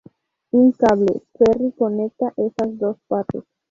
Un cable ferry conecta esas dos partes.